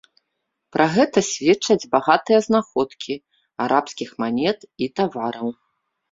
Пра гэта сведчаць багатыя знаходкі арабскіх манет і тавараў.